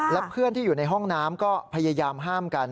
และเพื่อนที่อยู่ในห้องน้ำก็พยายามห้ามกัน